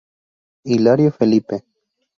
Hilario Felipe.